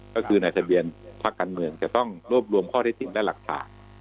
ก็คือในทะเบียนภาคการเมืองจะต้องรวบรวมข้อได้จริงและหลักฐาน